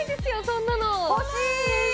そんなの欲しい！